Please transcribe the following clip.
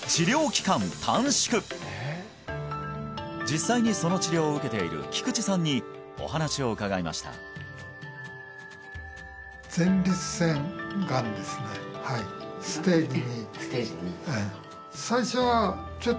実際にその治療を受けている菊地さんにお話を伺いましたステージ２？